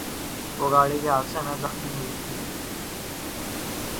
وہ گاڑی کے حادثے میں زخمی ہوئی تھی